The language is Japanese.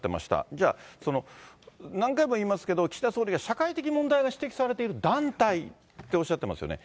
じゃあ、何回も言いますけれども、岸田総理が社会的問題が指摘されている団体っておっしゃってますよね。